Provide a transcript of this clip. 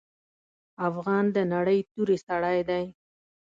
افغان د نرۍ توري سړی دی.